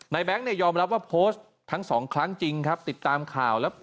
นายแบงค์ยอมรับว่าโพสต์ทั้ง๒ครั้งจริงครับติดตามข่าวแล้ว